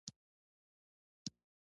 آیا پنبه ډیر لمر ته اړتیا لري؟